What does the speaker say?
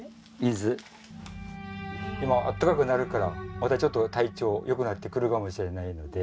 今暖かくなるからまたちょっと体調よくなってくるかもしれないので。